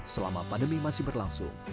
selama pandemi masih berlangsung